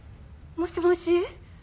もしもし。